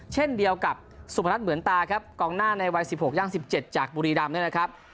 เช่นเดียวกับสุพนัทเหมือนตาครับกองหน้าในวัย๑๖ย่าง๑๗จากบุรีรำเนี่ยนะครับ